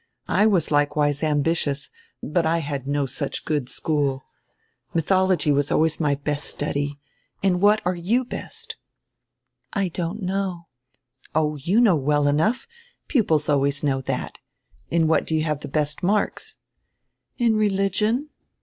I was likewise ambitious, but I had no such good school. Mythology was always my best study. In what are you best?" "I don't know." "Oh, you know well enough. Pupils always know diat. In what do you have die best marks?" "In religion."